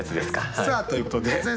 さあということで先生